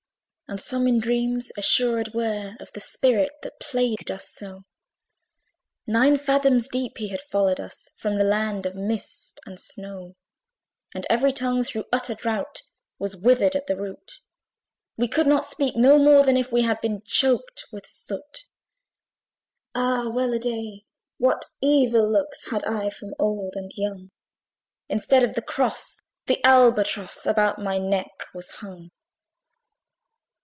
And some in dreams assured were Of the spirit that plagued us so: Nine fathom deep he had followed us From the land of mist and snow. And every tongue, through utter drought, Was withered at the root; We could not speak, no more than if We had been choked with soot. Ah! well a day! what evil looks Had I from old and young! Instead of the cross, the Albatross About my neck was hung.